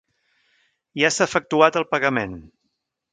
Ja s'ha efectuat el pagament.